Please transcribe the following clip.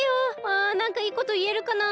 あなんかいいこといえるかな？